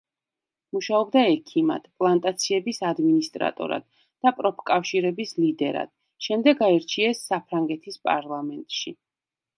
მუშაობდა ექიმად, პლანტაციების ადმინისტრატორად და პროფკავშირების ლიდერად, შემდეგ აირჩიეს საფრანგეთის პარლამენტში.